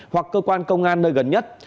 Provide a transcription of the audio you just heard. hoặc cơ quan công an nơi gần nhất